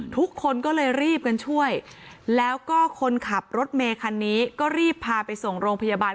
ทุกคนก็เลยรีบกันช่วยแล้วก็คนขับรถเมคันนี้ก็รีบพาไปส่งโรงพยาบาล